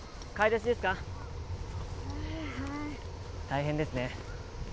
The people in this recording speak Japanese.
大変ですね。